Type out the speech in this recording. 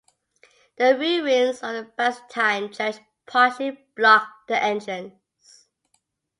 The ruins of a Byzantine church partly block the entrance.